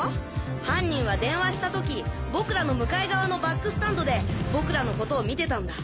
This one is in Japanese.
犯人は電話した時僕らの向かい側のバックスタンドで僕らのことを見てたんだ。